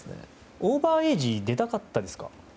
オーバーエージ出たかったですか？